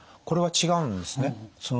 これは違うんですね。